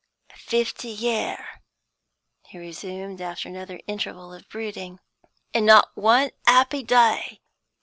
"Fifty year," he resumed, after another interval of brooding, "an' not one 'appy day.